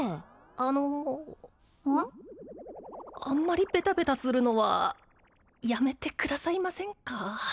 あのあんまりベタベタするのはやめてくださいませんか？